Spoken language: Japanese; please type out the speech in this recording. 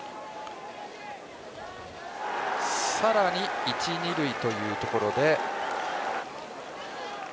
さらに一二塁というところで。